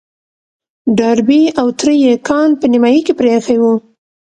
ډاربي او تره يې کان په نيمايي کې پرېيښی و.